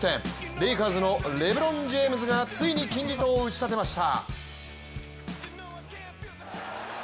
レイカーズのレブロン・ジェームズがついに金字塔を打ち立てました。